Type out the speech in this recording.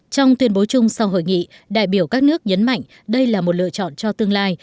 trong tuyên bố chung sau hội nghị đại biểu các nước nhấn mạnh đây là một lựa chọn cho tương lai